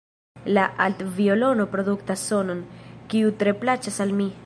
La aldviolono produktas sonon, kiu tre plaĉas al mi.